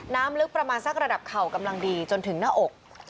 น้ำลึกประมาณสักระดับเข่ากำลังดีจนถึงหน้าอก